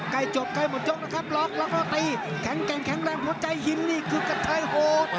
ใกล้จบใกล้หมดยกนะครับล็อกแล้วก็ตีแข็งแกร่งแข็งแรงหัวใจหินนี่คือกระชายโหด